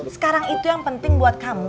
sekarang itu yang penting buat kamu